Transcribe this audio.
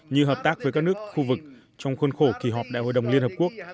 như hợp tác với các nước khu vực trong khuôn khổ kỳ họp đại hội đồng liên hợp quốc